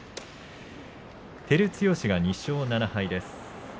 照強が２勝７敗です。